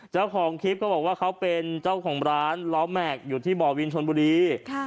เจ้าของคลิปก็บอกว่าเจ้าของร้านล้อแมคอยู่ที่บ่วนวินชนบุรี